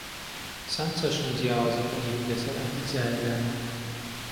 چەند چەشنی جیاوازی پەنیرت لەسەر ئەم پیتزایە دانا؟